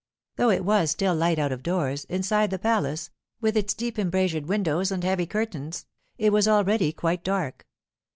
Though it was still light out of doors, inside the palace, with its deep embrasured windows and heavy curtains, it was already quite dark.